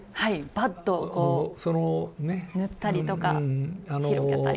パッとこう塗ったりとか広げたり。